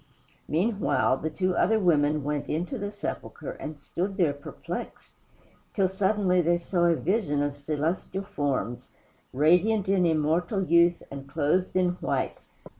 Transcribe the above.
Meanwhile, the two other women went into the sepulchre and stood there perplexed, till suddenly they saw a vision of celestial forms, radiant in immortal youth and clothed in white.